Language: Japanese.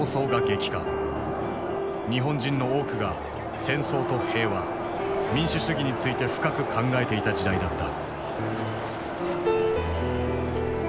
日本人の多くが戦争と平和民主主義について深く考えていた時代だった。